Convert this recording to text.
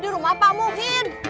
di rumah pak muhir